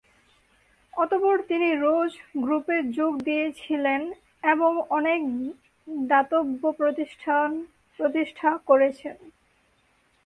অতঃপর তিনি 'রোজ' গ্রুপে যোগ দিয়েছিলেন এবং অনেক দাতব্য প্রতিষ্ঠান প্রতিষ্ঠা করেছেন।